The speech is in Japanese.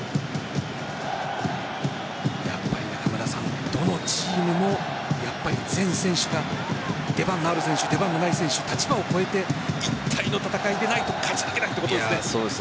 やっぱりどのチームも全選手が出番のある選手出番のない選手、立場を超えて一体の戦いでないと勝てないということですね。